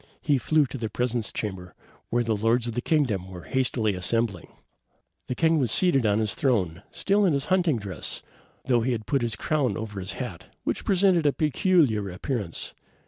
He flew to the presence chamber, where the lords of the kingdom were hastily assembling. The king was seated on his throne, still in his hunting dress, though he had put on his crown over his hat, which presented a peculiar appearance.